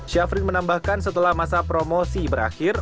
syafrin menambahkan setelah masa promosi berakhir